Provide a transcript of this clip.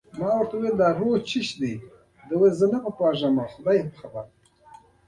ما ورته وویل د روح په اړه معلومات نه لرم.